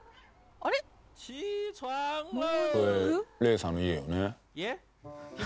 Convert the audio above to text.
これ冷さんの家よね。